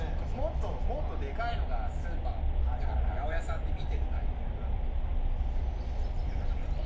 もっともっとでかいのがスーパーで八百屋さんで見てる大根なんで。